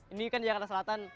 ini kan jakarta selatan